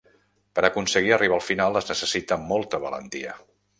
Per aconseguir arribar al final es necessita molta valentia.